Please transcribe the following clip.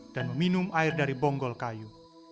dan meminum air dari bonggol kayu